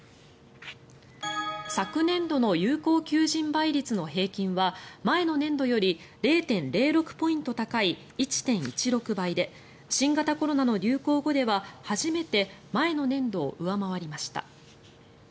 昨年度の有効求人倍率の平均は前の年度より０．０６ポイント高い１．１６倍で新型コロナの流行後では初めて前の年度を上回りました。